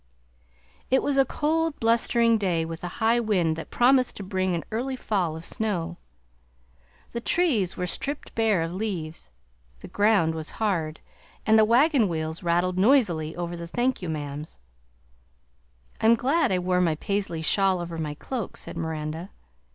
It was a cold blustering day with a high wind that promised to bring an early fall of snow. The trees were stripped bare of leaves, the ground was hard, and the wagon wheels rattled noisily over the thank you ma'ams. "I'm glad I wore my Paisley shawl over my cloak," said Miranda.